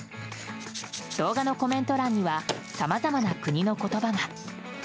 動画のコメント欄にはさまざまな国の言葉が。